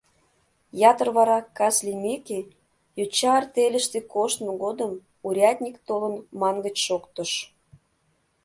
Ятыр вара, кас лиймеке, йоча артельыште коштмо годым, урядник толын мангыч шоктыш.